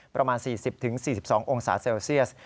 ประมาณ๔๐๔๒องศาเซลเซียส